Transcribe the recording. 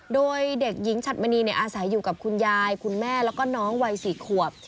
โดยเด็กหญิงฉัดมณีอาศัยอยู่กับคุณยายคุณแม่แล้วก็น้องวัย๔ขวบ